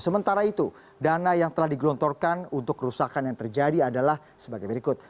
sementara itu dana yang telah digelontorkan untuk kerusakan yang terjadi adalah sebagai berikut